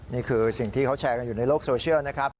นี่คือสิ่งที่เขาแชร์กันอยู่ในโลกโซเชียลนะครับ